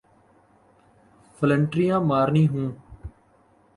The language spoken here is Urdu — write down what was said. فلنٹریاں مارنی ہوں۔